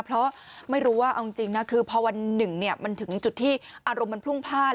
เพราะไม่รู้ว่าเอาจริงนะคือพอวันหนึ่งมันถึงจุดที่อารมณ์มันพรุ่งพลาด